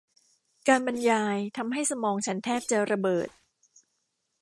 การบรรยายทำให้สมองฉันแทบจะระเบิด